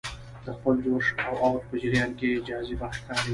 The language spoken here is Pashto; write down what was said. د خپل جوش او اوج په جریان کې جذابه ښکاري.